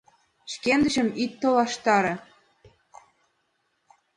— Шкендычым ит толаштаре.